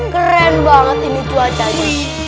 keren banget ini cuacanya